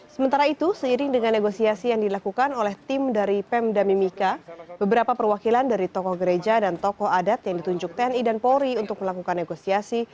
sementara itu seiring dengan negosiasi yang dilakukan oleh tim dari pemda mimika beberapa perwakilan dari tokoh gereja dan tokoh adat yang ditunjuk tni dan polri untuk melakukan negosiasi